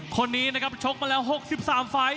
คนนี้นะครับชกมาแล้ว๖๓ไฟล์